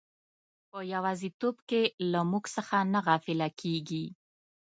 په یوازیتوب کې له موږ څخه نه غافله کیږي.